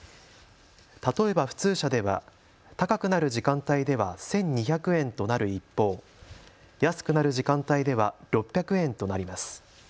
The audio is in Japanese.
例えば普通車では高くなる時間帯では１２００円となる一方、安くなる時間帯では６００円となります。